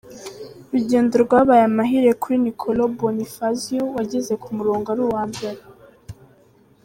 rugendo rwabaye amahire kuri Niccolo Bonifazio wageze ku murongo ari uwa mbere